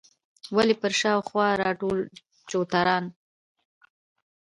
ولې پر شا او خوا راټول چوتاران.